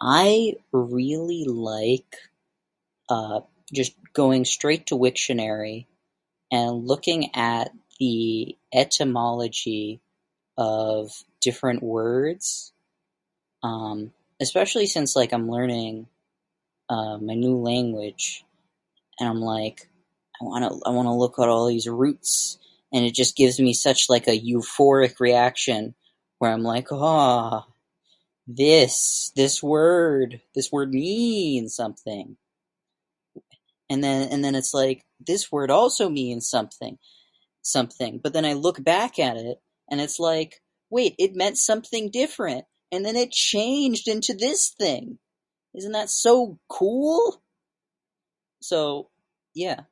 "I really like, uh, just going straight to Wiktionary and looking at the etymology of different words. Um, especially since like I'm learning, um, a new language and I'm like, ""I wanna I wanna look at all these roots."" And it just gives me such like a euphoric reaction where I'm like, ""Oh, this this word, this word means something."" And then and then it's like, ""This word also means something something."" But then I look back at it and it's like, ""Wait it meant something different, and then it changed into this thing. Isn't that so cool?"" So yeah."